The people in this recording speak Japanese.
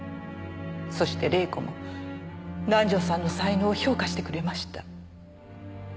そして麗子も南条さんの才能を評価してくれました。